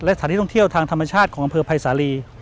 และสถานที่ท่องเที่ยวทางธรรมชาติของอำเภอภัยสาลี